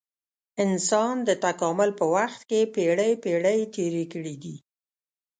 انسان د تکامل په وخت کې پېړۍ پېړۍ تېرې کړې دي.